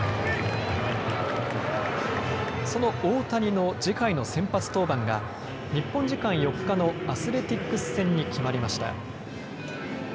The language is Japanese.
その大谷の次回の先発登板が日本時間４日のアスレティックス戦に決まりました。